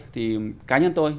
thì cá nhân tôi